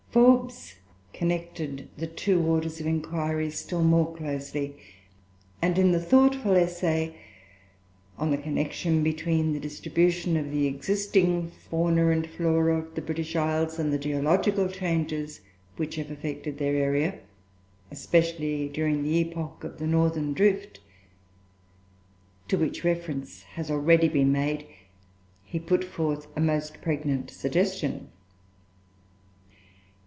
Forbes connected the two orders of inquiry still more closely; and in the thoughtful essay "On the connection between the distribution of the existing Fauna and Flora of the British Isles, and the geological changes which have affected their area, especially during the epoch of the Northern drift," to which reference has already been made, he put forth a most pregnant suggestion.